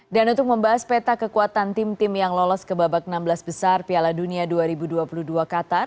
dan untuk membahas peta kekuatan tim tim yang lolos ke babak enam belas besar piala dunia dua ribu dua puluh dua qatar